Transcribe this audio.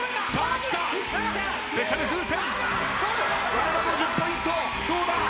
割れば５０ポイントどうだ？